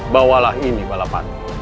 bawalah ini balapati